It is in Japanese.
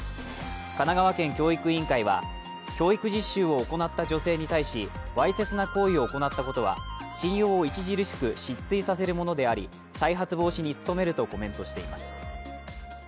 神奈川県教育委員会は、教育実習を行った女性に対しわいせつな行為を行ったことは信用を著しく失墜させるものであり再発防止に努めるとコメントしています。